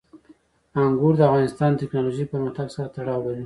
انګور د افغانستان د تکنالوژۍ پرمختګ سره تړاو لري.